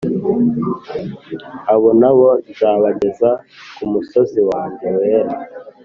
Abo na bo nzabageza ku musozi wanjye wera